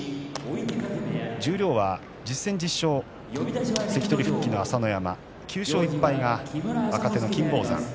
十両は１０戦１０勝は関取復帰の朝乃山９勝１敗が金峰山です。